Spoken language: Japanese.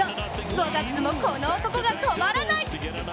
５月もこの男が止まらない！